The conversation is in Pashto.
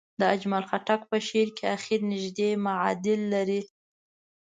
د اجمل خټک په شعر کې اخر نژدې معادل لري.